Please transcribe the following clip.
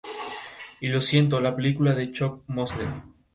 Es un pirata originario del North Blue y capitán de los piratas de Heart.